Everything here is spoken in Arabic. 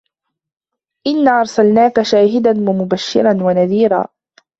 إنا أرسلناك شاهدا ومبشرا ونذيرا